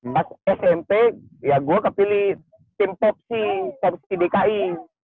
pas smp ya gue kepilih tim popsi korupsi dki